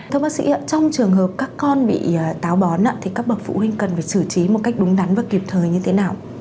thưa bác sĩ ạ trong trường hợp các con bị táo bón thì các bậc phụ huynh cần phải xử trí một cách đúng đắn và kịp thời như thế nào